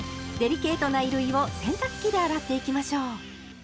デリケートな衣類を洗濯機で洗っていきましょう。